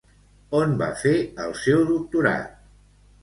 On va fer el seu doctorat?